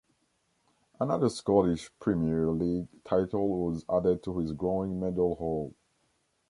Another Scottish Premier League title was added to his growing medal haul.